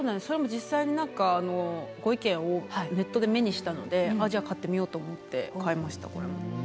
それも実際にご意見をネットで目にしたのでじゃあ買ってみようと思って買いましたこれも。